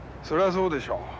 そりゃそうでしょう。